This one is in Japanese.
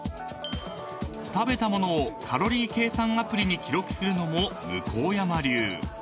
［食べたものをカロリー計算アプリに記録するのも向山流］